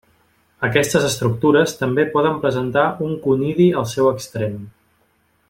Aquestes estructures també poden presentar un conidi al seu extrem.